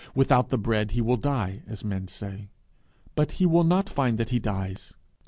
Without the bread he will die, as men say; but he will not find that he dies.